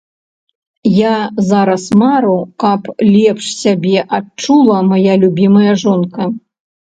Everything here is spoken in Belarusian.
Я зараз мару, каб лепш сябе адчула мая любімая жонка.